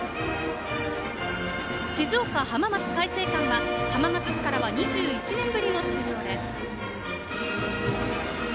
静岡・浜松開誠館は浜松市からは２１年ぶりの出場です。